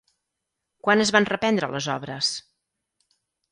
Quan es van reprendre les obres?